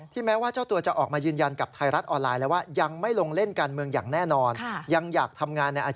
ที่แม้ว่าเจ้าตัวจะออกมายืนยันกับทายรัฐออนไลน์